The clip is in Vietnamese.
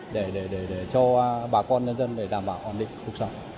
để cho bà con nhân dân đảm bảo hoàn định cuộc sống